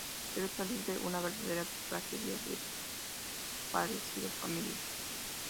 Pero es horrible; una verdadera tragedia de parecido familiar".